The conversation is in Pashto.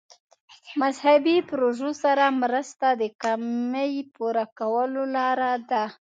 مذهبي پروژو سره مرسته د کمۍ پوره کولو لاره ده.